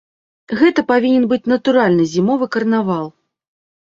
Гэта павінен быць натуральны зімовы карнавал.